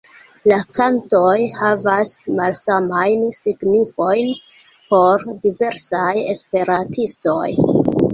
La kantoj havas malsamajn signifojn por diversaj esperantistoj.